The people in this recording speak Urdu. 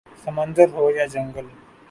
سمندر ہو یا جنگل